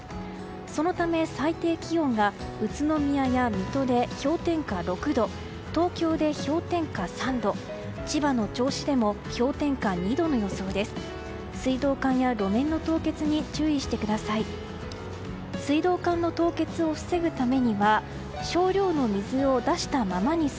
そのため、最低気温が宇都宮や水戸で氷点下６度東京で氷点下３度千葉の銚子でも氷点下２度の予想です。